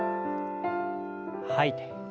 吐いて。